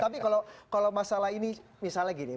tapi kalau masalah ini misalnya gini